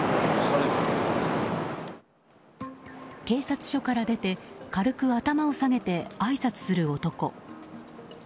警察署から出て軽く頭を下げてあいさつする男。